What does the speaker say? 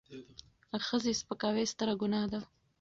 د ښځې سپکاوی ستره ګناه ده.